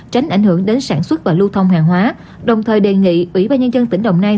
tránh ảnh hưởng đến sản xuất và lưu thông hàng hóa đồng thời đề nghị ủy ba nhân dân tỉnh đồng nai